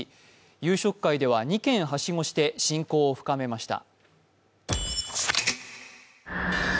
夕食会では２軒はしごして親交を深めました。